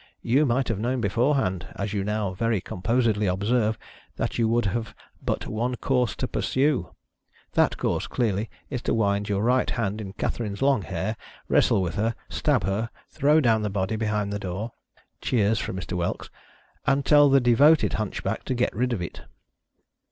You might have known beforehand, as you now very composedly observe, that you would have " but one course to pursue." That course clearly is to wiad your right hand in Katherine' s long hair, wrestle with her, stab her, throw down the body behind the door (cheers from Mr. Whelks), and tell the devoted Hunchback to get rid of it.